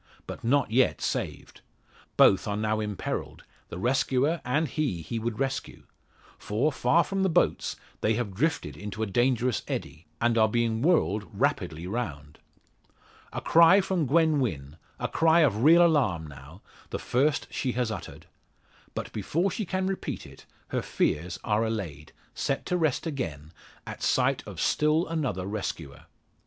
But not yet saved. Both are now imperilled the rescuer and he he would rescue. For, far from the boats, they have drifted into a dangerous eddy, and are being whirled rapidly round! A cry from Gwen Wynn a cry of real alarm, now the first she has uttered! But before she can repeat it, her fears are allayed set to rest again at sight of still another rescuer.